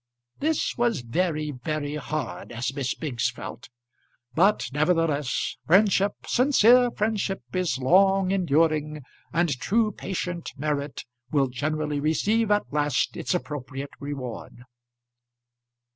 This was very, very hard, as Miss Biggs felt. But, nevertheless, friendship, sincere friendship is long enduring, and true patient merit will generally receive at last its appropriate reward.